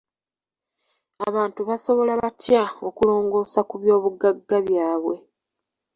Abantu basobola batya okulongoosa ku by'obugagga byabwe.